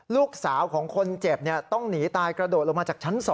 ลูกสาวของคนเจ็บต้องหนีตายกระโดดลงมาจากชั้น๒